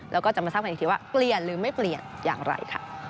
แล้วก็จะมาทราบกันอีกทีว่าเปลี่ยนหรือไม่เปลี่ยนอย่างไรค่ะ